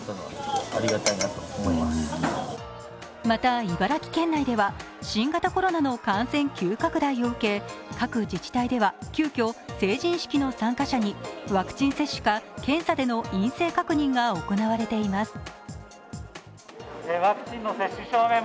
また、茨城県内では新型コロナの感染急拡大を受け各自治体では急きょ、成人式の参加者にワクチン接種か、検査での陰性確認が行われています。